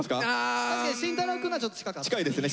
確かに慎太郎くんのはちょっと近かったですね。